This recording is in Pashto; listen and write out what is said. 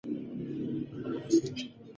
پلار د ماشومانو تعلیم ته وخت ورکوي.